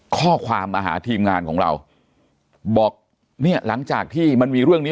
ข้อความมาหาทีมงานของเราบอกเนี่ยหลังจากที่มันมีเรื่องนี้